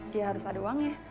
dia harus ada uangnya